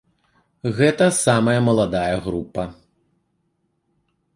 Гэта самая маладая група.